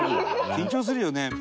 緊張するよね。